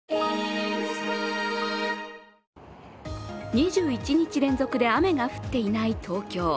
２１日連続で雨が降っていない東京。